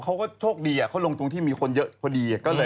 เขาก็โชคดีเขาลงตรงที่มีคนเยอะพอดี